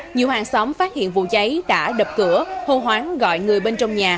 nhiều hàng xóm phát hiện vụ cháy đã đập cửa hô hoáng gọi người bên trong nhà